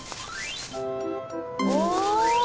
お！